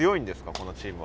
このチームは。